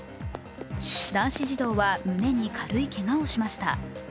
男子児童は胸に軽いけがをしました。